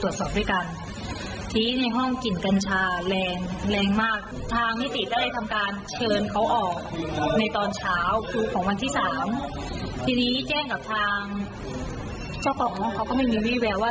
โดยที่เขาสร้างความเด็ดร้อนให้เรา